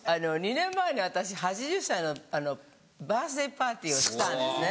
２年前に私８０歳のバースデーパーティーをしたんですね。